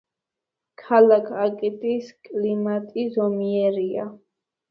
ქალაქ აკიტის კლიმატი ზომიერია.